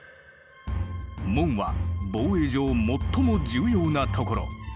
門は防衛上最も重要なところ。